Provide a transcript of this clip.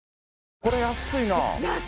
これ安いな。